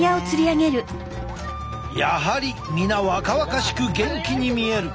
やはり皆若々しく元気に見える。